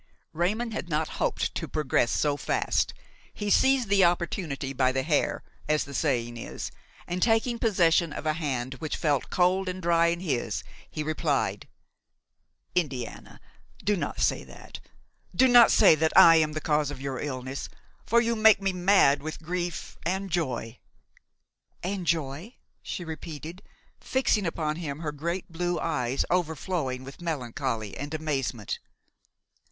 Raymon had not hoped to progress so fast. He seized the opportunity by the hair, as the saying is, and, taking possession of a hand which felt cold and dry in his, he replied: "Indiana! do not say that; do not say that I am the cause of your illness, for you make me mad with grief and joy." "And joy!" she repeated, fixing upon him her great blue eyes overflowing with melancholy and amazement.